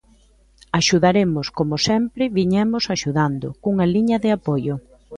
Axudaremos como sempre viñemos axudando, cunha liña de apoio.